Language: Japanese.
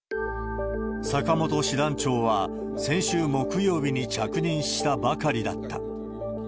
坂本師団長は、先週木曜日に着任したばかりだった。